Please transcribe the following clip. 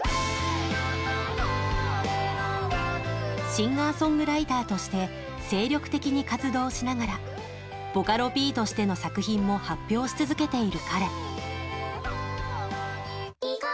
シンガーソングライターとして精力的に活動をしながらボカロＰとしての作品も発表し続けている彼。